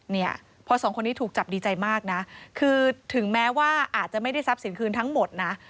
เนี่ยพอสองคนนี้ถูกจับดีใจมากนะคือถึงแม้ว่าอาจจะไม่ได้ทรัพย์สินคืนทั้งหมดนะ